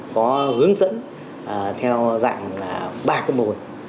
có hướng dẫn theo dạng ba khuôn mô hình